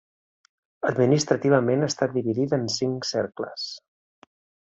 Administrativament està dividida en cinc cercles.